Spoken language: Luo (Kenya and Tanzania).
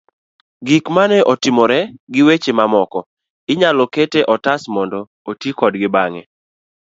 Gik mane otimore gi weche mamoko, inyalo kete otas mondo oti kodgi bang'e.